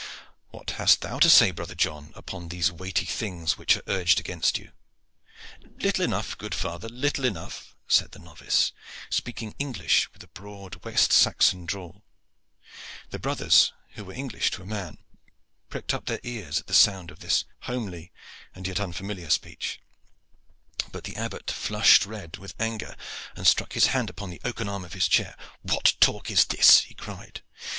"What hast thou to say, brother John, upon these weighty things which are urged against you?" "Little enough, good father, little enough," said the novice, speaking English with a broad West Saxon drawl. The brothers, who were English to a man, pricked up their ears at the sound of the homely and yet unfamiliar speech; but the Abbot flushed red with anger, and struck his hand upon the oaken arm of his chair. "What talk is this?" he cried.